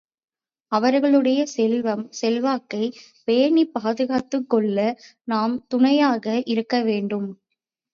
அவர்களுடைய செல்வம், செல்வாக்கைப் பேணிப் பாதுகாத்துக்கொள்ள நாம் துணையாக இருக்க வேண்டும்.